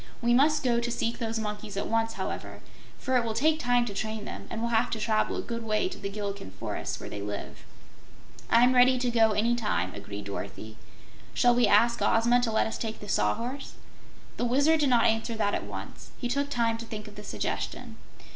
"We must go to seek those monkeys at once, however, for it will take time to train them and we'll have to travel a good way to the Gillikin forests where they live." "I'm ready to go any time," agreed Dorothy. "Shall we ask Ozma to let us take the Sawhorse?" The Wizard did not answer that at once. He took time to think of the suggestion.